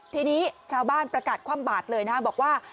ทีนี้ชาวบ้านประกาศคว่ำบาดเลยนะบอกว่า